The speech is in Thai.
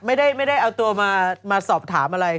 ไม่ได้เอาตัวมาสอบถามอะไร